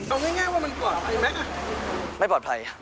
เอาง่ายว่ามันปลอดภัยไหม